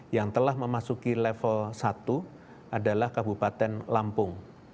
yang telah memasuki level satu adalah kabupaten lampung